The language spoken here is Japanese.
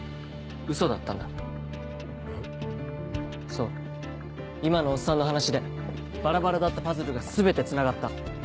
そう今のおっさんの話でバラバラだったパズルが全てつながった。